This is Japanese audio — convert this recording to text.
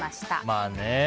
まあね。